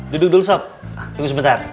duduk dulu sop tunggu sebentar